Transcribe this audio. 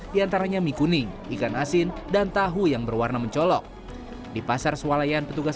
diantaranya mie kuning ikan asin dan tahu yang berwarna mencolok di pasar sualayan petugas